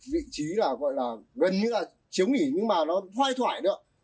vị trí gần như chiếu nghỉ nhưng mà nó thoai thoải nữa